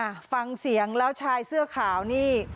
อ่ะฟังเสียงแล้วชายเสื้อขาวนี่